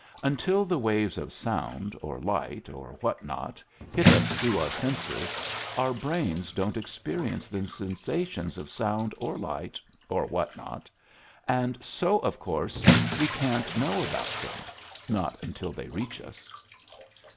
"Until the waves of sound or light or what not hit us through our senses, our brains don't experience the sensations of sound or light or what not, and so, of course, we can't know about them not until they reach us."